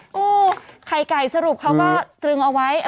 อุ๊ยไข่ไก่สรุปเขาก็ตึงเอาไว้ราคา